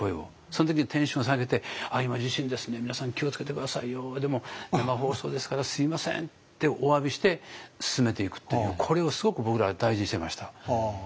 その時にテンション下げて「あっ今地震ですね皆さん気をつけて下さいよでも生放送ですからすみません」っておわびして進めていくというこれをすごく僕らは大事にしてました。